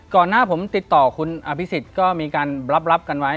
ก่อนหน้าผมติดต่อคุณอภิษฎก็มีการรับกันไว้